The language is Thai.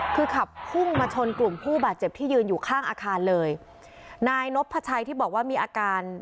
คือขับพุ่งมาชนกลุ่มผู้บาดเจ็บที่ยืนอยู่ข้างอาคารเลยนายนพชัยที่บอกว่ามีอาการ